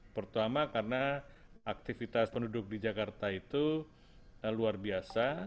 pertama karena aktivitas penduduk di jakarta itu luar biasa